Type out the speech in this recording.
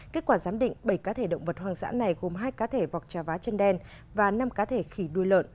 kết quả giám định bảy cá thể động vật hoang dã này gồm hai cá thể vọc trà vá chân đèn và năm cá thể khỉ đuôi lợn